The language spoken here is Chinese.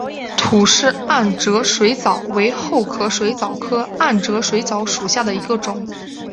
吐氏暗哲水蚤为厚壳水蚤科暗哲水蚤属下的一个种。